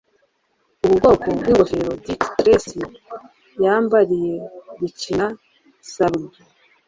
Ubu bwoko bwingofero Dick Tracy yambariye gukina na Sardou